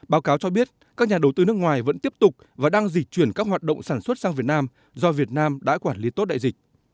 báo cáo cho biết các nhà đầu tư nước ngoài vẫn tiếp tục và đang dịch chuyển các hoạt động sản xuất sang việt nam do việt nam đã quản lý tốt đại dịch